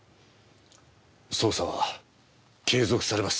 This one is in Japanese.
捜査は継続されます。